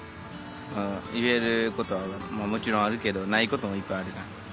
言えることもちろんあるけどないこともいっぱいあるじゃん。